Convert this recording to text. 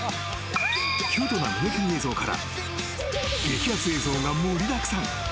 キュンとなる猫の映像から激アツ映像が盛りだくさん。